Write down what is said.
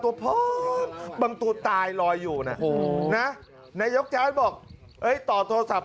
ตัวบางตัวตายรอยอยู่น่ะโหนะนายยกแจ้วบอกเอ้ยต่อโทรศัพท์